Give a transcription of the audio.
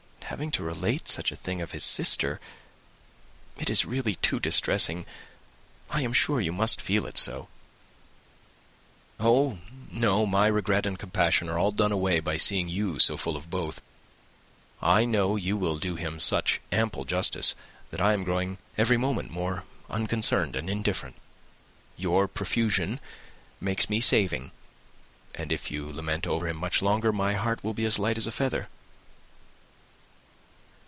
and having to relate such a thing of his sister! It is really too distressing, I am sure you must feel it so." "Oh no, my regret and compassion are all done away by seeing you so full of both. I know you will do him such ample justice, that I am growing every moment more unconcerned and indifferent. Your profusion makes me saving; and if you lament over him much longer, my heart will be as light as a feather."